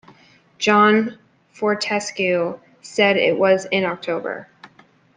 John Fortescue said it was 'in November'.